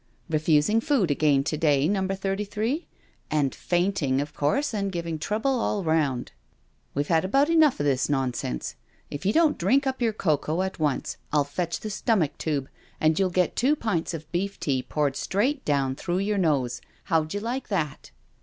Refusing food again to day, Number Thirty three? And fainting, of course, and giving trouble all round. We've had about enough of this nonsense. If you don't drink up your cocoa at once I'll fetch the stomach tube, and you'll get two pints of beef tea poured straight down through your nose— how'U you like that?"